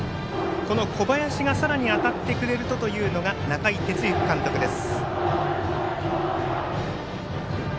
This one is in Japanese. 小林がさらに当たってくれるとというのが中井哲之監督です。